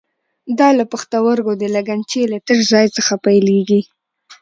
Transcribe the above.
دا له پښتورګو د لګنچې له تش ځای څخه پیلېږي.